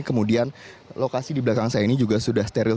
kemudian lokasi di belakang saya ini juga sudah steril